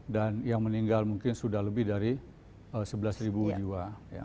dan yang meninggal mungkin sudah lebih dari sebelas ribu jiwa